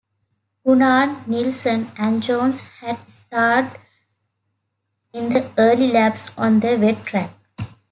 Gunnar Nilsson and Jones had starred in the early laps on the wet track.